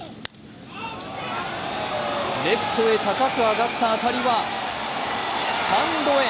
レフトへ高く上がった当たりはスタンドへ。